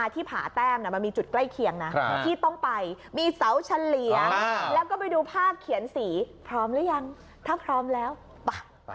ที่ผาแต้มมันมีจุดใกล้เคียงนะที่ต้องไปมีเสาเฉลี่ยแล้วก็ไปดูภาพเขียนสีพร้อมหรือยังถ้าพร้อมแล้วไป